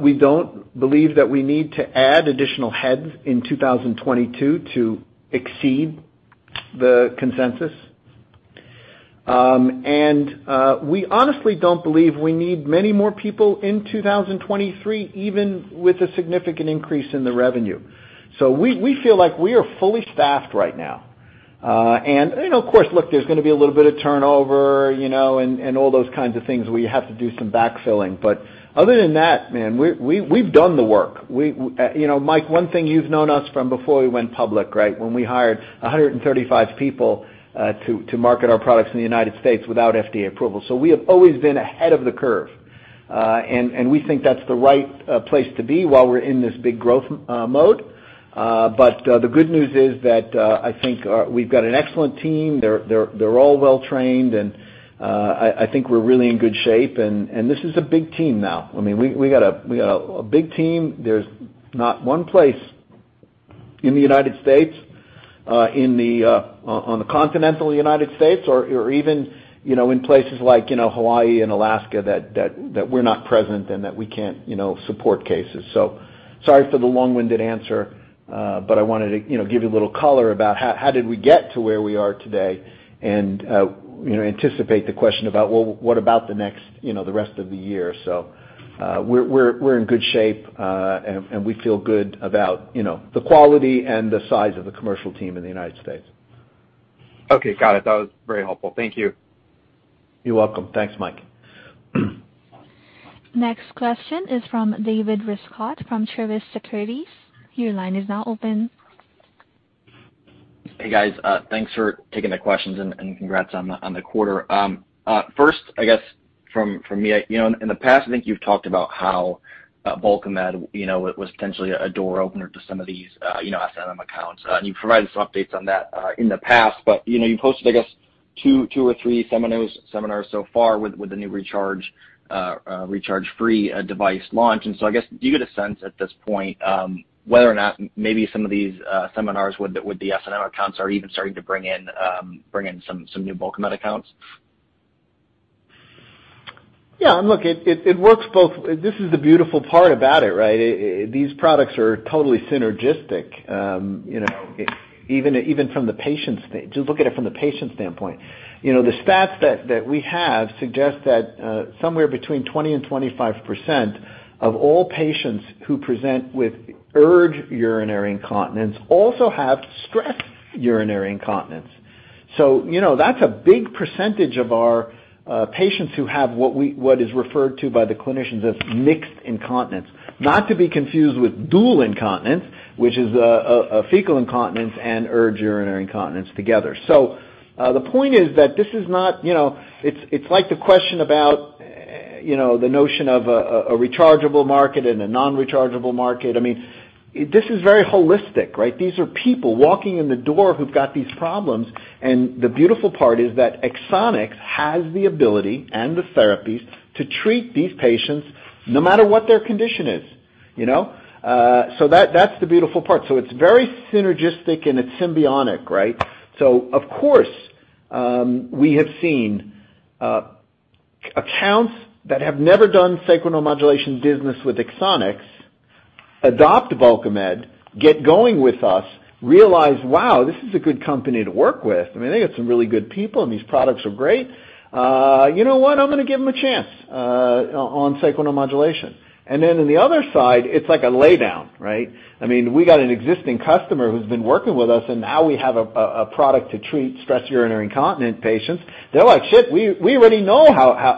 We don't believe that we need to add additional heads in 2022 to exceed the consensus. We honestly don't believe we need many more people in 2023, even with a significant increase in the revenue. We feel like we are fully staffed right now. You know, of course, look, there's gonna be a little bit of turnover, you know, and all those kinds of things. We have to do some backfilling. But other than that, man, we've done the work. You know, Mike, one thing you've known us from before we went public, right? When we hired 135 people to market our products in the United States without FDA approval. We have always been ahead of the curve, and we think that's the right place to be while we're in this big growth mode. The good news is that I think we've got an excellent team. They're all well-trained, and I think we're really in good shape. This is a big team now. I mean, we got a big team. There's not one place in the United States, on the continental United States or even, you know, in places like, you know, Hawaii and Alaska, that we're not present and that we can't, you know, support cases. Sorry for the long-winded answer, but I wanted to, you know, give you a little color about how did we get to where we are today and, you know, anticipate the question about, well, what about the next, you know, the rest of the year. We're in good shape, and we feel good about, you know, the quality and the size of the commercial team in the United States. Okay. Got it. That was very helpful. Thank you. You're welcome. Thanks, Mike. Next question is from David Rescott from Truist Securities. Your line is now open. Hey, guys. Thanks for taking the questions and congrats on the quarter. First, I guess from me, you know, in the past I think you've talked about how Bulkamid, you know, was potentially a door opener to some of these, you know, SNM accounts. You've provided some updates on that in the past. You know, you've hosted, I guess two or three seminars so far with the new recharge-free device launch. I guess, do you get a sense at this point whether or not maybe some of these seminars with the SNM accounts are even starting to bring in some new Bulkamid accounts? Look, it works both. This is the beautiful part about it, right? These products are totally synergistic, you know. Just look at it from the patient's standpoint. You know, the stats that we have suggest that somewhere between 20%-25% of all patients who present with urge urinary incontinence also have stress urinary incontinence. You know, that's a big percentage of our patients who have what is referred to by the clinicians as mixed incontinence. Not to be confused with double incontinence, which is a fecal incontinence and urge urinary incontinence together. The point is that this is not, you know, it's like the question about, you know, the notion of a rechargeable market and a non-rechargeable market. I mean, this is very holistic, right? These are people walking in the door who've got these problems, and the beautiful part is that Axonics has the ability and the therapies to treat these patients no matter what their condition is, you know? That, that's the beautiful part. It's very synergistic and it's symbiotic, right? Of course, we have seen accounts that have never done Sacral Neuromodulation business with Axonics adopt Bulkamid, get going with us, realize, "Wow, this is a good company to work with. I mean, they got some really good people, and these products are great. You know what? I'm gonna give them a chance on Sacral Neuromodulation." Then in the other side, it's like a lay down, right? I mean, we got an existing customer who's been working with us, and now we have a product to treat stress urinary incontinence patients. They're like, "Shit, we already know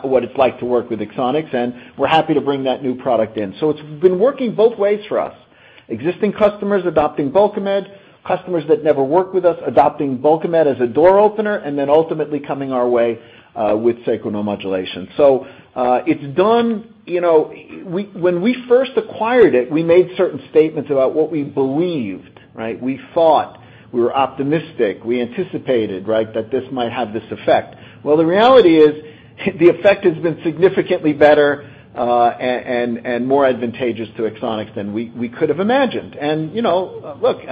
what it's like to work with Axonics, and we're happy to bring that new product in." It's been working both ways for us. Existing customers adopting Bulkamid, customers that never worked with us, adopting Bulkamid as a door opener, and then ultimately coming our way with Sacral Neuromodulation. It's done, you know. When we first acquired it, we made certain statements about what we believed, right? We thought, we were optimistic, we anticipated, right, that this might have this effect. Well, the reality is the effect has been significantly better and more advantageous to Axonics than we could have imagined. You know, look,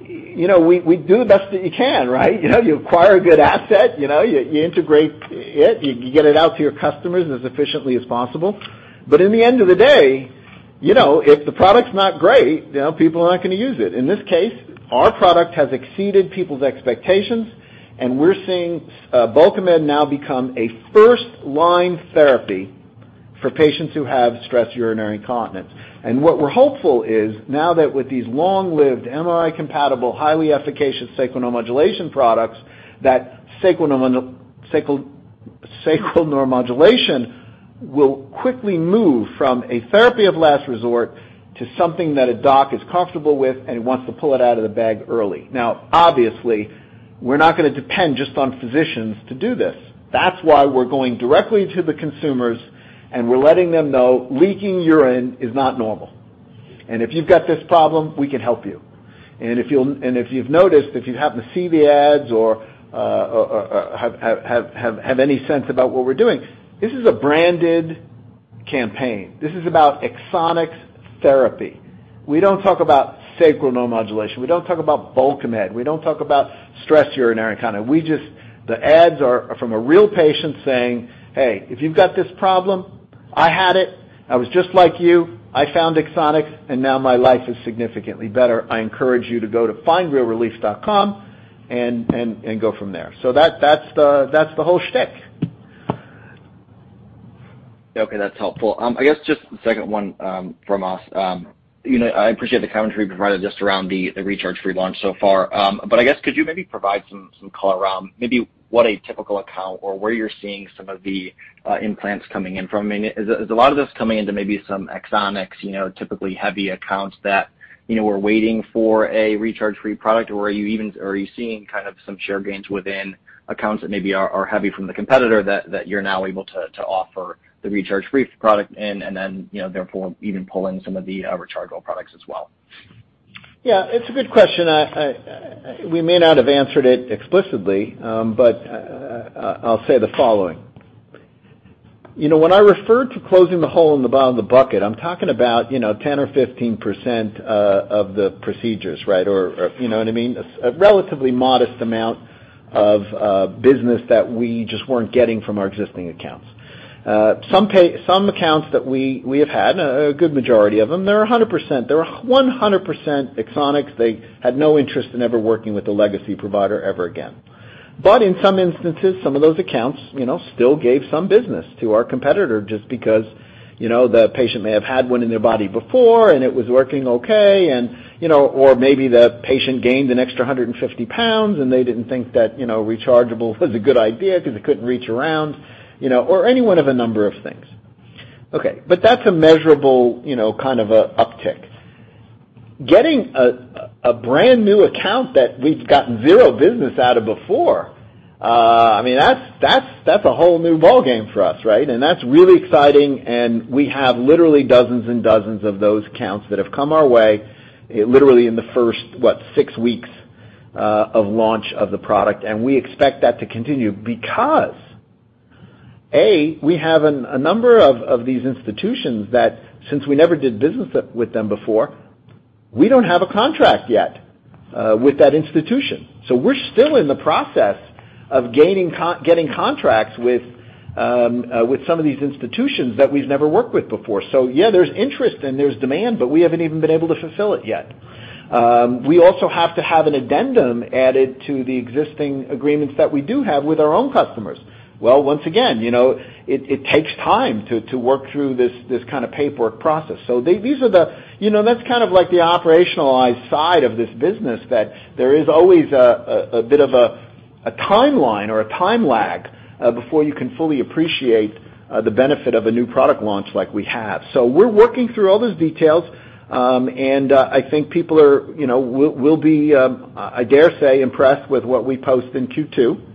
you know, we do the best that you can, right? You know, you acquire a good asset, you know, you integrate it, you get it out to your customers as efficiently as possible. In the end of the day, you know, if the product's not great, you know, people are not gonna use it. In this case, our product has exceeded people's expectations, and we're seeing Bulkamid now become a first-line therapy for patients who have stress urinary incontinence. What we're hopeful is, now that with these long-lived MRI-compatible, highly efficacious Sacral Neuromodulation products, that Sacral Neuromodulation will quickly move from a therapy of last resort to something that a doc is comfortable with and wants to pull it out of the bag early. Now, obviously, we're not gonna depend just on physicians to do this. That's why we're going directly to the consumers, and we're letting them know leaking urine is not normal, and if you've got this problem, we can help you. If you've noticed, if you happen to see the ads or have any sense about what we're doing, this is a branded campaign. This is about Axonics therapy. We don't talk about Sacral Neuromodulation. We don't talk about Bulkamid. We don't talk about stress urinary incontinence. The ads are from a real patient saying, "Hey, if you've got this problem, I had it. I was just like you. I found Axonics, and now my life is significantly better. I encourage you to go to FindRealRelief.com and go from there." That's the whole shtick. Okay, that's helpful. I guess just the second one from us. You know, I appreciate the commentary you provided just around the recharge-free launch so far. But I guess could you maybe provide some color around maybe what a typical account or where you're seeing some of the implants coming in from? I mean, is a lot of this coming into maybe some Axonics typically heavy accounts that were waiting for a recharge-free product, or are you seeing kind of some share gains within accounts that maybe are heavy from the competitor that you're now able to offer the recharge-free product in, and then, you know, therefore, even pull in some of the rechargeable products as well? Yeah, it's a good question. We may not have answered it explicitly, but I'll say the following. You know, when I refer to closing the hole in the bottom of the bucket, I'm talking about 10 or 15% of the procedures. Or, you know what I mean? A relatively modest amount of business that we just weren't getting from our existing accounts. Some accounts that we have had, a good majority of them, they're 100%. They were 100% Axonics. They had no interest in ever working with a legacy provider ever again. In some instances, some of those accounts, you know, still gave some business to our competitor just because, you know, the patient may have had one in their body before, and it was working okay, and, you know, or maybe the patient gained an extra 150 pounds, and they didn't think that, you know, rechargeable was a good idea because they couldn't reach around, you know, or any one of a number of things. Okay. That's a measurable, you know, kind of a uptick. Getting a brand-new account that we've gotten 0 business out of before, I mean, that's a whole new ballgame for us, right? That's really exciting, and we have literally dozens and dozens of those accounts that have come our way literally in the first, what, 6 weeks of launch of the product. We expect that to continue because, A, we have a number of these institutions that since we never did business with them before, we don't have a contract yet with that institution. We're still in the process of getting contracts with some of these institutions that we've never worked with before. Yeah, there's interest and there's demand, but we haven't even been able to fulfill it yet. We also have to have an addendum added to the existing agreements that we do have with our own customers. Well, once again, you know, it takes time to work through this kind of paperwork process. These are the that's kind of like the operationalized side of this business, that there is always a bit of a timeline or a time lag before you can fully appreciate the benefit of a new product launch like we have. So we're working through all those details, and I think people are, you know, will be I dare say impressed with what we post in Q2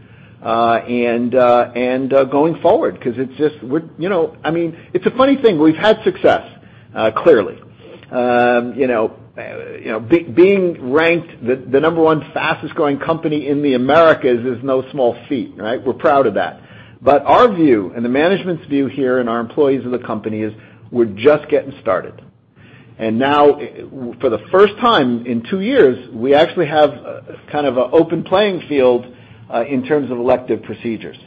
and going forward 'cause it's just. You know, I mean, it's a funny thing. We've had success, clearly. You know, being ranked the number one fastest growing company in the Americas is no small feat, right? We're proud of that. Our view and the management's view here and our employees in the company is we're just getting started. Now, for the first time in two years, we actually have kind of an open playing field in terms of elective procedures.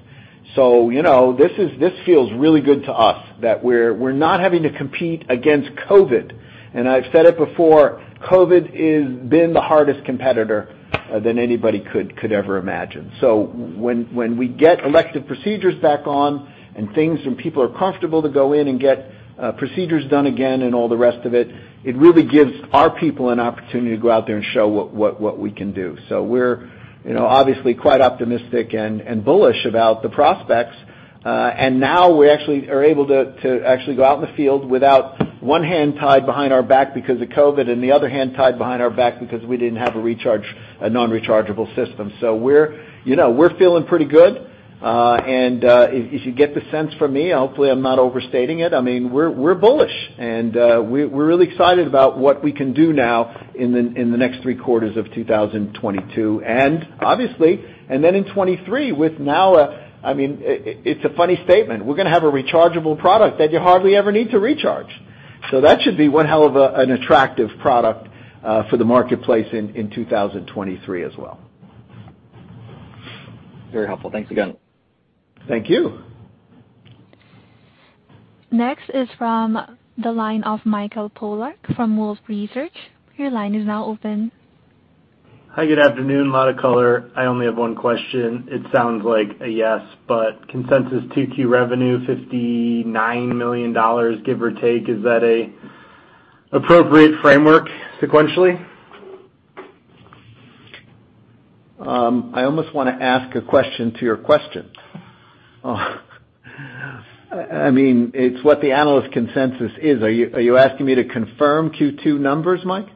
You know, this feels really good to us that we're not having to compete against COVID. I've said it before, COVID has been the hardest competitor that anybody could ever imagine. When we get elective procedures back on and things, when people are comfortable to go in and get procedures done again and all the rest of it really gives our people an opportunity to go out there and show what we can do. You know, we're obviously quite optimistic and bullish about the prospects. Now we actually are able to actually go out in the field without one hand tied behind our back because of COVID and the other hand tied behind our back because we didn't have a non-rechargeable system. So we're, you know, we're feeling pretty good. If you get the sense from me, hopefully, I'm not overstating it, I mean, we're bullish. We're really excited about what we can do now in the next three quarters of 2022. And then in 2023, with now I mean, it's a funny statement. We're gonna have a rechargeable product that you hardly ever need to recharge. So that should be one hell of an attractive product for the marketplace in 2023 as well. Very helpful. Thanks again. Thank you. Next is from the line of Michael Polark from Wolfe Research. Your line is now open. Hi, good afternoon. A lot of color. I only have one question. It sounds like a yes, but consensus 2Q revenue $59 million, give or take. Is that an appropriate framework sequentially? I almost wanna ask a question to your question. I mean, it's what the analyst consensus is. Are you asking me to confirm Q2 numbers, Mike?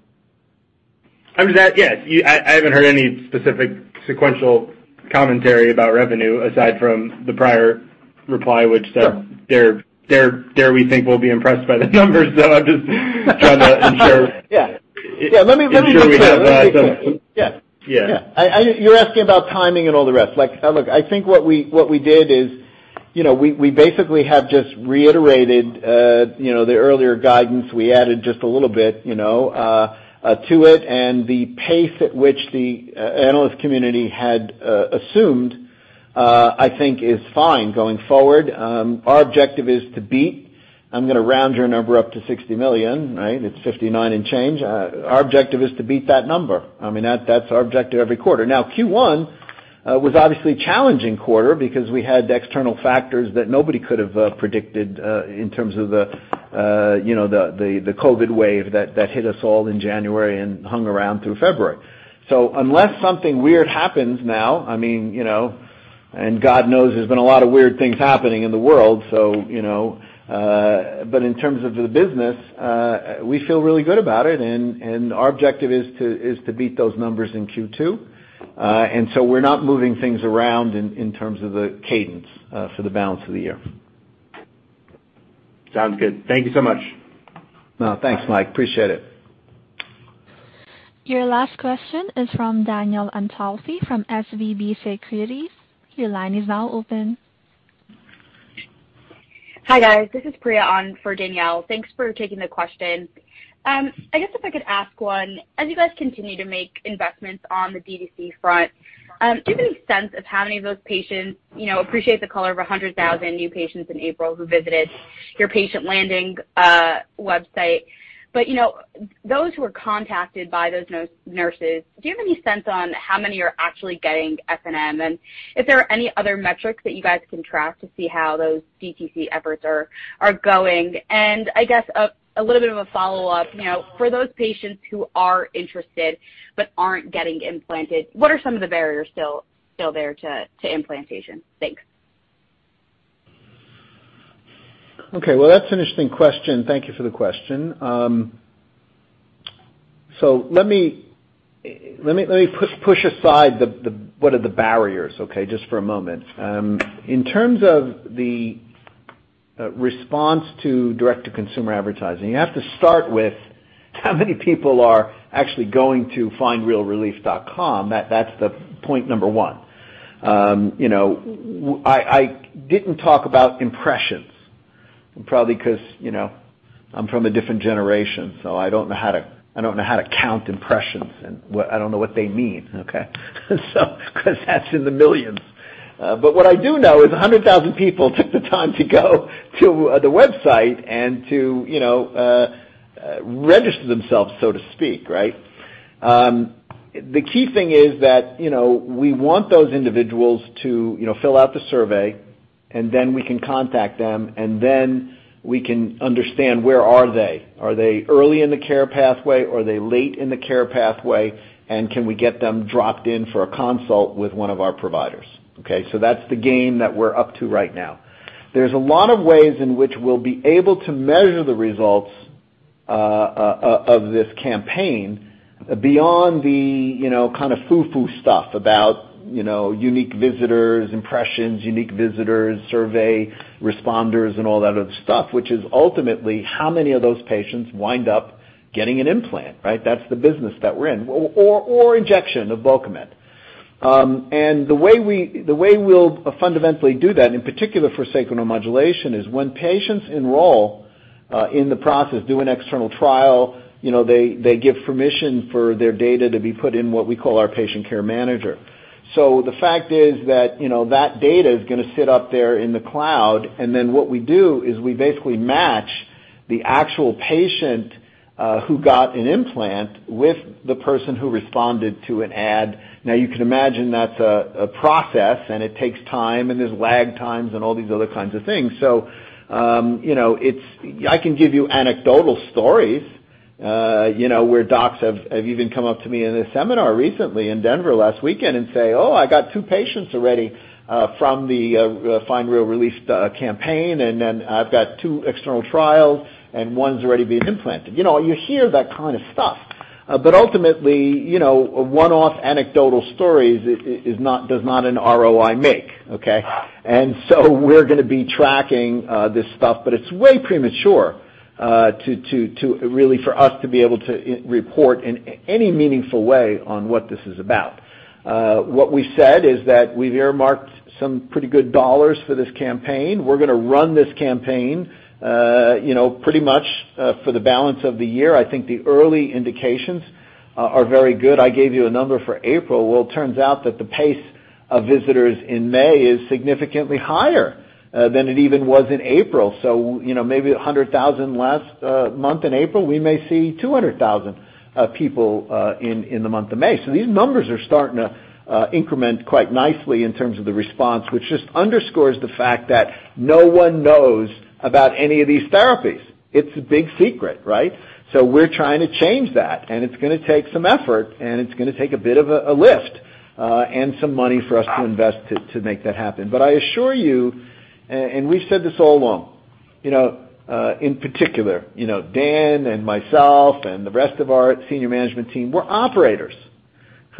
I mean, that, yes. I haven't heard any specific sequential commentary about revenue aside from the prior reply, which, they're, we think, will be impressed by the numbers. I'm just trying to ensure- Yeah. Ensure we have. Yeah. Yeah. Yeah. You're asking about timing and all the rest. Like, look, I think what we did is, you know, we basically have just reiterated, you know, the earlier guidance. We added just a little bit, you know, to it. The pace at which the analyst community had assumed, I think is fine going forward. Our objective is to beat. I'm gonna round your number up to $60 million, right? It's $59 million in change. Our objective is to beat that number. I mean, that's our objective every quarter. Now, Q1 was obviously a challenging quarter because we had external factors that nobody could have predicted, in terms of the, you know, the COVID wave that hit us all in January and hung around through February. Unless something weird happens now, I mean, you know, and God knows there's been a lot of weird things happening in the world. You know, in terms of the business, we feel really good about it. Our objective is to beat those numbers in Q2. We're not moving things around in terms of the cadence for the balance of the year. Sounds good. Thank you so much. No, thanks, Mike. Appreciate it. Your last question is from Danielle Antalffy from SVB Securities. Your line is now open. Hi, guys. This is Priya on for Danielle. Thanks for taking the question. I guess if I could ask one, as you guys continue to make investments on the DTC front, do you have any sense of how many of those patients, you know, out of the 100,000 new patients in April who visited your patient landing website? You know, those who are contacted by those nurse navigators, do you have any sense on how many are actually getting SNM? And if there are any other metrics that you guys can track to see how those DTC efforts are going? And I guess a little bit of a follow-up, you know, for those patients who are interested but aren't getting implanted, what are some of the barriers still there to implantation? Thanks. Okay. Well, that's an interesting question. Thank you for the question. Let me push aside the what are the barriers, okay, just for a moment. In terms of the response to direct-to-consumer advertising, you have to start with how many people are actually going to findrealrelief.com. That's the point number one. You know, I didn't talk about impressions probably 'cause, you know, I'm from a different generation, so I don't know how to count impressions and I don't know what they mean, okay? 'Cause that's in the millions. But what I do know is 100,000 people took the time to go to the website and to, you know, register themselves, so to speak, right? The key thing is that, you know, we want those individuals to, you know, fill out the survey, and then we can contact them, and then we can understand where are they. Are they early in the care pathway? Are they late in the care pathway? And can we get them dropped in for a consult with one of our providers? Okay? That's the game that we're up to right now. There's a lot of ways in which we'll be able to measure the results of this campaign beyond the, you know, kind of foo foo stuff about, you know, unique visitors, impressions, unique visitors, survey responders, and all that other stuff, which is ultimately how many of those patients wind up getting an implant, right? That's the business that we're in. Or injection of Bulkamid. The way we'll fundamentally do that, in particular for Sacral Neuromodulation, is when patients enroll in the process, do an external trial, you know, they give permission for their data to be put in what we call our Patient Care Manager. So the fact is that, you know, that data is gonna sit up there in the cloud, and then what we do is we basically match the actual patient who got an implant with the person who responded to an ad. Now, you can imagine that's a process and it takes time, and there's lag times and all these other kinds of things. You know, I can give you anecdotal stories, you know, where docs have even come up to me in a seminar recently in Denver last weekend and say, "Oh, I got two patients already from the Find Real Relief campaign, and then I've got two external trials and one's already been implanted." You know, you hear that kind of stuff. Ultimately, you know, a one-off anecdotal stories is not, does not an ROI make, okay? We're gonna be tracking this stuff, but it's way premature to really for us to be able to report in any meaningful way on what this is about. What we said is that we've earmarked some pretty good dollars for this campaign. We're gonna run this campaign, you know, pretty much for the balance of the year. I think the early indications are very good. I gave you a number for April. Well, it turns out that the pace of visitors in May is significantly higher than it even was in April. You know, maybe 100,000 last month in April, we may see 200,000 people in the month of May. These numbers are starting to increment quite nicely in terms of the response, which just underscores the fact that no one knows about any of these therapies. It's a big secret, right? We're trying to change that, and it's gonna take some effort, and it's gonna take a bit of a lift and some money for us to invest to make that happen. I assure you, and we've said this all along, you know, in particular, you know, Dan and myself and the rest of our senior management team, we're operators,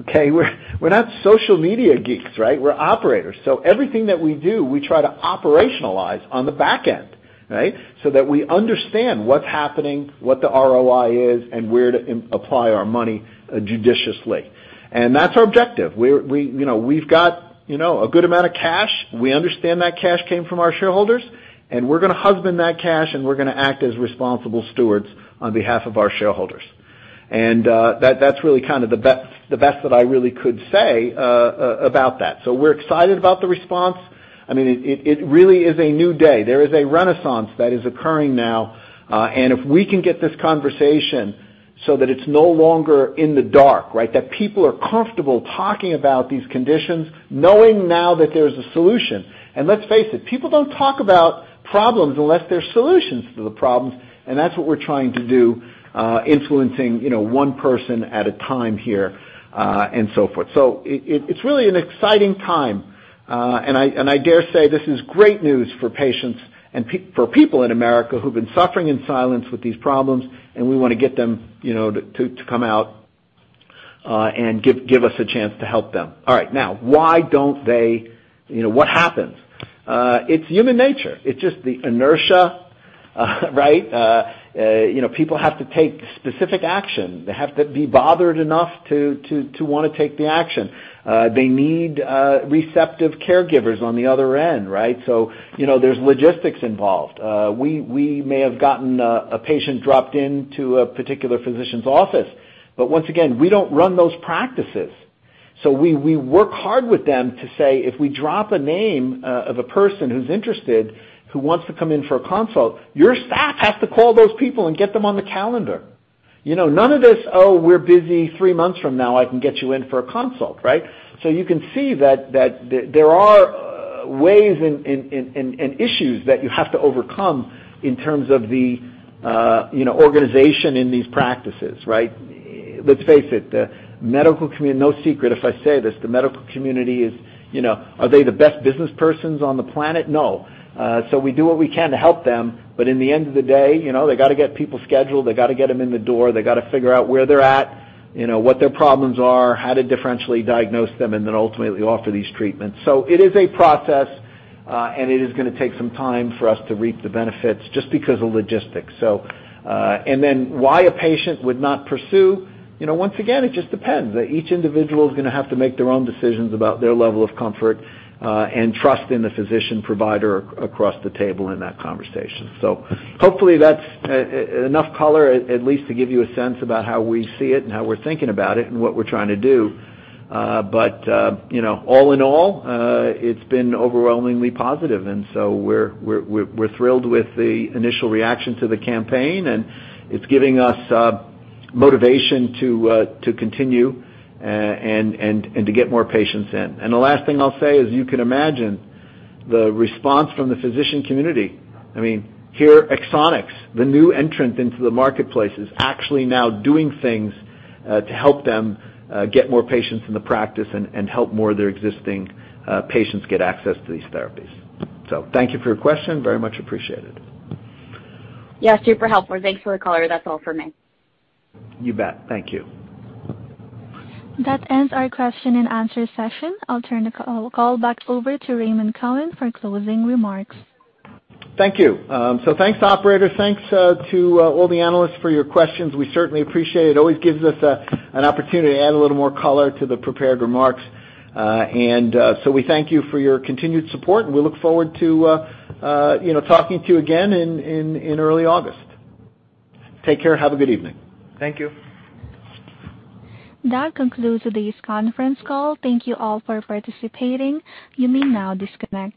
okay? We're not social media geeks, right? We're operators. Everything that we do, we try to operationalize on the back end, right? So that we understand what's happening, what the ROI is, and where to apply our money judiciously. That's our objective. We, you know, we've got, you know, a good amount of cash. We understand that cash came from our shareholders, and we're gonna husband that cash, and we're gonna act as responsible stewards on behalf of our shareholders. That's really kind of the best that I really could say about that. We're excited about the response. I mean, it really is a new day. There is a renaissance that is occurring now. If we can get this conversation so that it's no longer in the dark, right? That people are comfortable talking about these conditions, knowing now that there's a solution. Let's face it, people don't talk about problems unless there are solutions to the problems, and that's what we're trying to do, influencing, you know, one person at a time here, and so forth. It's really an exciting time. I dare say this is great news for patients and for people in America who've been suffering in silence with these problems, and we wanna get them, you know, to come out, and give us a chance to help them. All right, now, why don't they? You know, what happens? It's human nature. It's just the inertia, right? You know, people have to take specific action. They have to be bothered enough to wanna take the action. They need receptive caregivers on the other end, right? You know, there's logistics involved. We may have gotten a patient dropped into a particular physician's office, but once again, we don't run those practices. We work hard with them to say, if we drop a name of a person who's interested, who wants to come in for a consult, your staff has to call those people and get them on the calendar. You know, none of this, "Oh, we're busy three months from now, I can get you in for a consult," right? You can see that there are ways and issues that you have to overcome in terms of the organization in these practices, right? Let's face it, the medical community, no secret if I say this, the medical community is. Are they the best business persons on the planet? No. We do what we can to help them, but in the end of the day, they gotta get people scheduled, they gotta get them in the door, they gotta figure out where they're at, what their problems are, how to differentially diagnose them, and then ultimately offer these treatments. It is a process, and it is gonna take some time for us to reap the benefits just because of logistics. Why a patient would not pursue? You know, once again, it just depends. Each individual is gonna have to make their own decisions about their level of comfort, and trust in the physician provider across the table in that conversation. Hopefully that's enough color at least to give you a sense about how we see it and how we're thinking about it and what we're trying to do. You know, all in all, it's been overwhelmingly positive. We're thrilled with the initial reaction to the campaign, and it's giving us motivation to continue and to get more patients in. The last thing I'll say is, you can imagine the response from the physician community. I mean, here Axonics, the new entrant into the marketplace, is actually now doing things to help them get more patients in the practice and help more of their existing patients get access to these therapies. Thank you for your question. Very much appreciated. Yeah, super helpful. Thanks for the color. That's all for me. You bet. Thank you. That ends our question and answer session. I'll turn the call back over to Raymond Cohen for closing remarks. Thank you. Thanks, operator. Thanks to all the analysts for your questions. We certainly appreciate it. It always gives us an opportunity to add a little more color to the prepared remarks. We thank you for your continued support, and we look forward to, you know, talking to you again in early August. Take care. Have a good evening. Thank you. That concludes today's conference call. Thank you all for participating. You may now disconnect.